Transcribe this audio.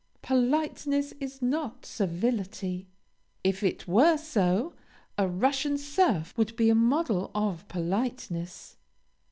Politeness is not servility. If it were so, a Russian serf would be a model of politeness.